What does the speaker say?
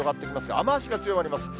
雨足が強まります。